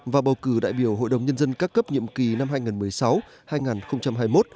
và bầu cử đại biểu hội đồng nhân dân các cấp nhiệm kỳ năm hai nghìn một mươi sáu hai nghìn hai mươi một